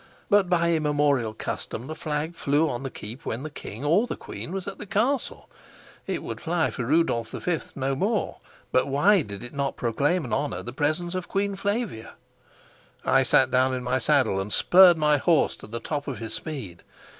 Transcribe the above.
But by immemorial custom the flag flew on the keep when the king or the queen was at the castle. It would fly for Rudolf V. no more; but why did it not proclaim and honor the presence of Queen Flavia? I sat down in my saddle and spurred my horse to the top of his speed.